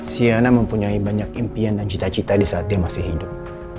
siana mempunyai banyak impian dan cita cita di saat dia masih hidup